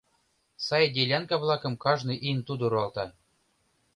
Сай делянка-влакым кажне ийын тудо руалта.